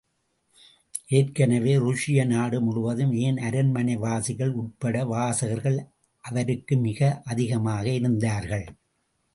ஏற்கனவே, ருஷ்ய நாடு முழுவதும், ஏன் அரண்மனைவாசிகள் உட்பட வாசகர்கள் அவருக்கு மிக அதிகமாக இருந்தார்கள்.